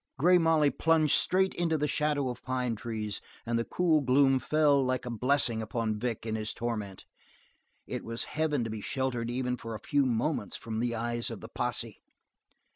Grey Molly plunged straight into the shadow of pine trees, and the cool gloom fell like a blessing upon Vic in his torment; it was heaven to be sheltered even for a few moments from the eyes of the posse.